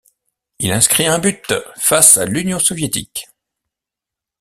Il inscrit un but face à l'Union soviétique.